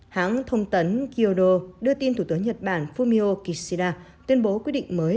hãng thông tấn kyoto đưa tin thủ tướng nhật bản fumio kishida tuyên bố quy định mới